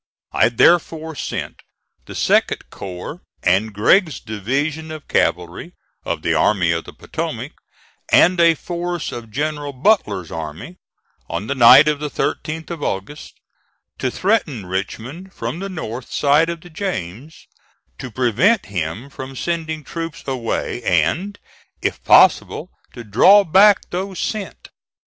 I therefore sent the 2d corps and Gregg's division of cavalry, of the Army of the Potomac, and a force of General Butler's army, on the night of the 13th of August, to threaten Richmond from the north side of the James, to prevent him from sending troops away, and, if possible, to draw back those sent.